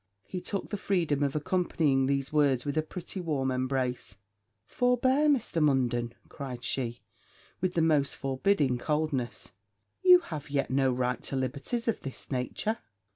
He took the freedom of accompanying these words with a pretty warm embrace. 'Forbear, Mr. Munden,' cried she, with the most forbidding coldness; 'you have yet no right to liberties of this nature.'